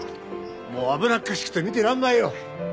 もう危なっかしくて見てられないよ。